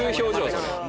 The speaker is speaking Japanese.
それ。